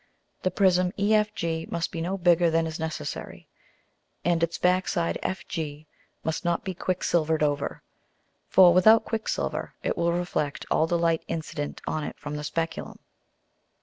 The Prism EFG must be no bigger than is necessary, and its back side FG must not be quick silver'd over. For without quicksilver it will reflect all the Light incident on it from the Speculum. [Illustration: FIG.